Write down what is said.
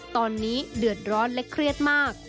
ตอนนี้เดือดร้อนและเครียดมาก